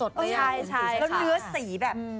ใช่แล้วเนื้อสีแบบ